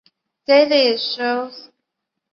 疣柄美喙藓为青藓科美喙藓属下的一个种。